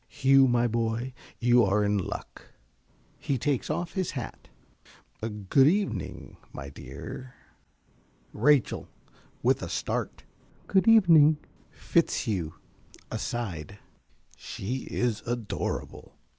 Hugh, my boy, you are in luck. (He takes off his hat.) Good evening, my dear! ~Rachel~ (with a start). Good evening. ~Fitzhugh~ (aside). She is adorable.